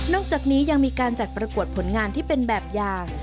จากนี้ยังมีการจัดประกวดผลงานที่เป็นแบบอย่าง